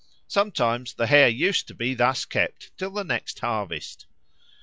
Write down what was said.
Sometimes the Hare used to be thus kept till the next harvest.